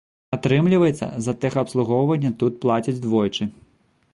Атрымліваецца, за тэхабслугоўванне тут плацяць двойчы.